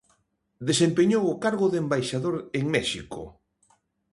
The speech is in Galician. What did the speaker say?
Desempeñou o cargo de embaixador en México.